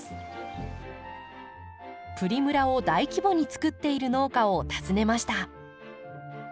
プリムラを大規模につくっている農家を訪ねました。